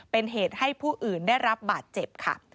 เป็นเหตุให้ผู้อื่นได้รับบาดเจ็บค่ะ